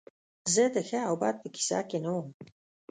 زه د ښه او بد په کیسه کې نه وم